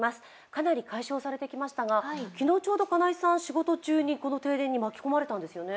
かなり解消されてきましたが昨日、ちょうど金井さん、仕事中にこの停電に巻き込まれたんですよね？